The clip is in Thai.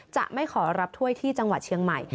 จะไม่ขอรับถ้วยที่จังหวัดเชียงใหม่